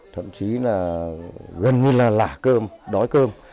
thậm chí là gần như là lả cơm đói cơm